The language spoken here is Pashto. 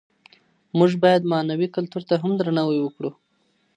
موږ بايد معنوي کلتور ته هم درناوی وکړو.